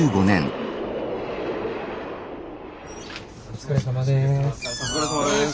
お疲れさまです。